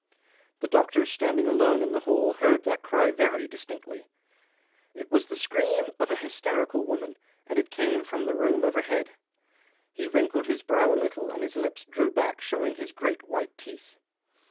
The doctor standing alone in the hall heard that cry very distinctly ; it was the scream of a hysterical woman, and it came from the room overhead. He wrinkled his brow a little, and his lips drew back showing his great white teeth.